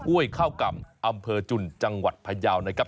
้วยข้าวก่ำอำเภอจุนจังหวัดพยาวนะครับ